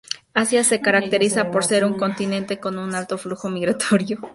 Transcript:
Asia se caracteriza por ser un continente con un alto flujo migratorio.